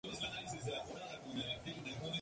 Manuel Bellido participó asimismo en la política local.